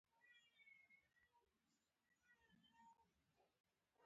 هره شېبه د ساعت ستنه د ځوړ په لور تاوېږي.